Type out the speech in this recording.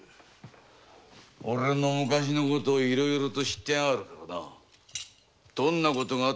オレの昔の事をいろいろ知っていやがるからな。